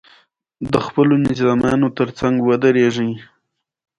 دا دستگاه دوی ته ستونزمنه تمامیدله.